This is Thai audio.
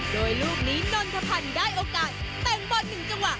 โดยลูกนี้นนทพันธ์ได้โอกาสแต่งบอล๑จังหวะ